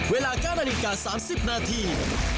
เวลาการณีการ๓๐นาที